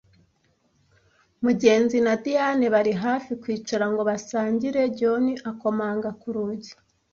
Mugenzi na Diyane bari hafi kwicara ngo basangire John akomanga ku rugi.